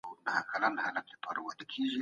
د ناروغانو د رنځ لامل د ډاکټرانو لخوا معلومیږي.